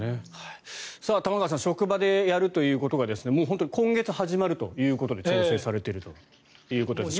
玉川さん職場でやるということがもう今月始まるということで調整されているみたいですが。